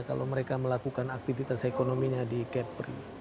kalau mereka melakukan aktivitas ekonominya di kepri